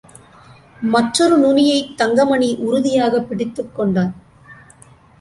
மற்றொரு நுனியைத் தங்கமணி உறுதியாகப் பிடித்துக்கொண்டான்.